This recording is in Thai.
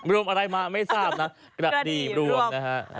รวมอะไรมาไม่ทราบนะกระดีรวมนะฮะ